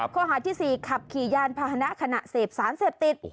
ข้อหาที่๔ขับขี่ยานพาหนะขณะเสพสารเสพติด